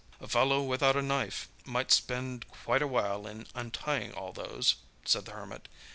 "A fellow without a knife might spend quite a while in untying all those," said the Hermit.